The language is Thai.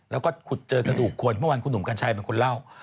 แล้วก็ขุดเจอกระดูกคนเมื่อวานคุณหนุ่มกัญชัยเป็นคนเล่า